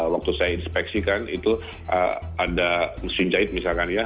waktu saya inspeksikan itu ada mesin jahit misalkan ya